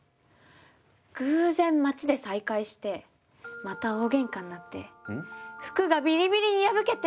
偶然街で再会してまた大げんかになって服がビリビリに破けて。